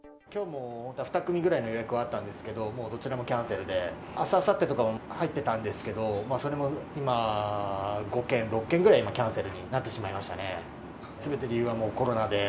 きょうも２組ぐらいの予約はあったんですけれども、もうどちらもキャンセルで、あす、あさってとかも入ってたんですけど、それも今、５件、６件ぐらい今、キャンセルになってしまいましたね。